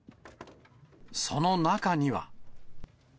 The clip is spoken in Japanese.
その中には。